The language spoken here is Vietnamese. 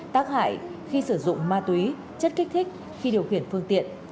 thác hải khi sử dụng ma túy chất kích thích khi điều khiển phương tiện